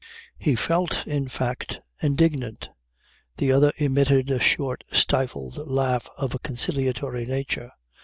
He felt, in fact, indignant. The other emitted a short stifled laugh of a conciliatory nature.